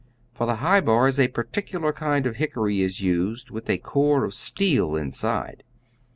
For the high bars a particular kind of hickory is used with a core of steel inside.